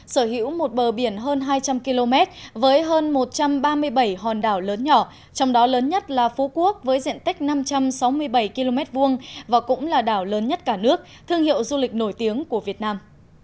sở hữu một bờ biển hơn hai trăm linh km với hơn một trăm ba mươi bảy hòn đảo lớn nhỏ trong đó lớn nhất là phú quốc với diện tích năm trăm sáu mươi bảy km hai và cũng là đảo lớn nhất cả nước thương hiệu du lịch nổi tiếng của việt nam